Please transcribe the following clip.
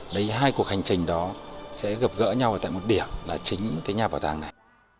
đấy hai cuộc hành trình đó sẽ gặp gỡ nhau ở tại một địa là chính cái nhà bảo tàng này